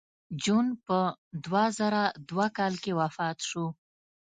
جون په دوه زره دوه کال کې وفات شو